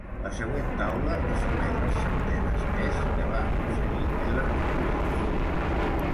La següent taula resumeix les centenes Test que va aconseguir Everton Weekes.